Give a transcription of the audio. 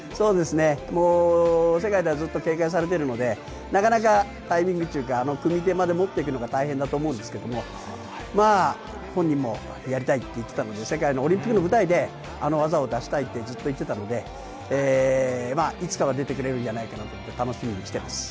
世界では、ずっと警戒されているので、なかなかタイミングというか、組み手まで持っていくのが大変だと思うんですけれども、本人もやりたいと言っていたので、世界のオリンピックの舞台で技を出したいとずっと言っていたので、いつかは出てくれるんじゃないかなと楽しみにしています。